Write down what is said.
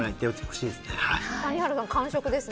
谷原さん、完食ですね。